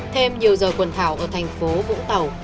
thêm nhiều giờ quần thảo ở thành phố vũng tàu